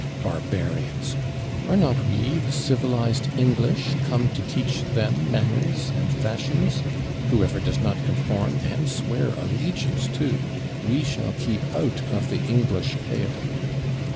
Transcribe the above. Barbarians! are not we the civilised English, come to teach them manners and fashions? Whoever does not conform, and swear allegiance too, we shall keep out of the English pale.'